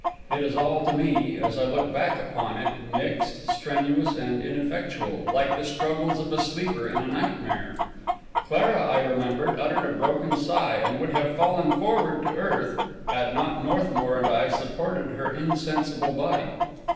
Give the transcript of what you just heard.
It is all to me, as I look back upon it, mixed, strenuous, and ineffectual, like the struggles of a sleeper in a nightmare. Clara, I remember, uttered a broken sigh and would have fallen forward to earth, had not Northmour and I supported her insensible body.